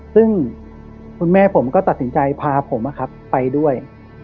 ซึ่งคุณแม่ผมก็ตัดสินใจพาผมไปด้วย